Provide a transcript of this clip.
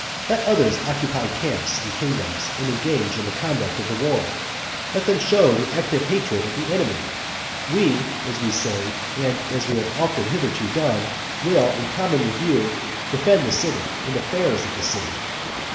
Let others occupy camps and kingdoms, and engage in the conduct of the war; let them show the active hatred of the enemy; we, as we say, and as we have always hitherto done, will, in common with you, defend the city and the affairs of the city.